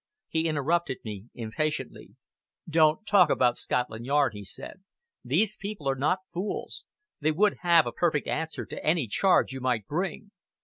He interrupted me impatiently. "Don't talk about Scotland Yard," he said. "These people are not fools. They would have a perfect answer to any charge you might bring."